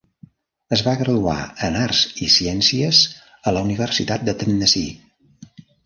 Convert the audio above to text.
Es va graduar en Arts i Ciències a la Universitat de Tennessee.